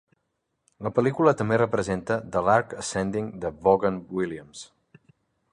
La pel·lícula també representa "The Lark Ascending" de Vaughan Williams.